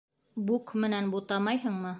Бук менән бутамайһыңмы?